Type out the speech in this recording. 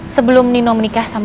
sebelum nino dan aga berpengalaman